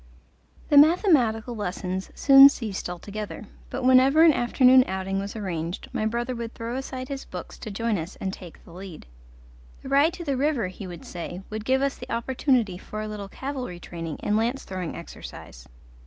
The mathematical lessons soon ceased altogether, but whenever an afternoon outing was arranged my brother would throw aside his books to join us and take the lead. The ride to the river, he would say, would give us the opportunity for a little cavalry training and lance throwing exercise.